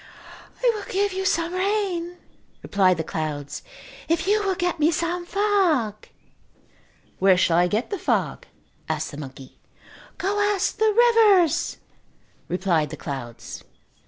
"I will give you some rain," replied the clouds, "if you will get me some fog." "Where shall I get the fog?" asked the monkey. "Go ask the rivers," replied the clouds.